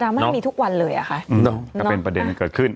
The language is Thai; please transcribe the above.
แล้วก็ดามห้างได้ทุกวันเลย